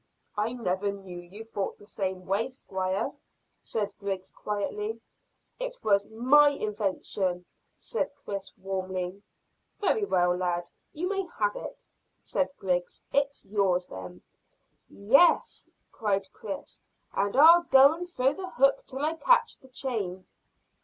"I never knew you thought the same way, squire," said Griggs quietly. "It was my invention," said Chris warmly. "Very well, lad, you may have it," said Griggs. "It's yours, then." "Yes," cried Chris, "and I'll go and throw the hook till I catch the chain."